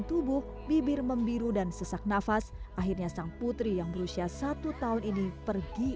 tubuh bibir membiru dan sesak nafas akhirnya sang putri yang berusia satu tahun ini pergi